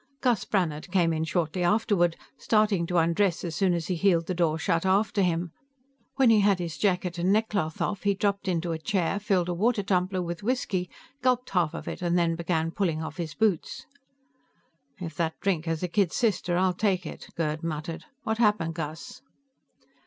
Gus Brannhard came in shortly afterward, starting to undress as soon as he heeled the door shut after him. When he had his jacket and neckcloth off, he dropped into a chair, filled a water tumbler with whisky, gulped half of it and then began pulling off his boots. "If that drink has a kid sister, I'll take it," Gerd muttered. "What happened, Gus?"